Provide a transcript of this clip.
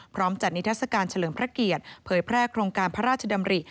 จัดนิทัศกาลเฉลิมพระเกียรติเผยแพร่โครงการพระราชดำริ